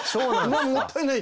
もったいない。